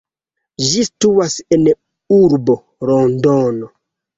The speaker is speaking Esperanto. Ĝi situas en urbo Londono.